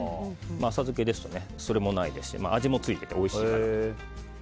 浅漬けですとそれもないですし味もついておいしい。